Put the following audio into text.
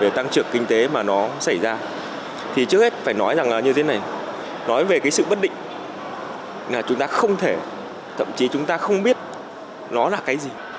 về tăng trưởng kinh tế mà nó xảy ra thì trước hết phải nói rằng là như thế này nói về cái sự bất định là chúng ta không thể thậm chí chúng ta không biết nó là cái gì